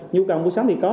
nhu cầu buổi sáng thì có